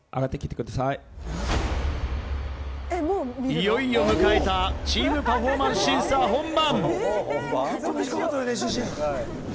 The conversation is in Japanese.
いよいよ迎えたチーム・パフォーマンス審査本番。